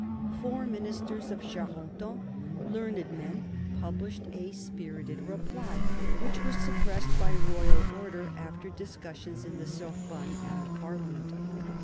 Four ministers of Charen ton, learned men, published a spirited reply, which was suppressed by royal order, after discussions in the Sorbonne and the Parliament.